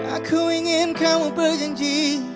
aku ingin kamu berjanji